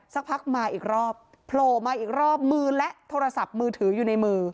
สักพักมาอีกรอบโผล่มาอีกรอบมือและโทรศัพท์มือถืออยู่ในมือ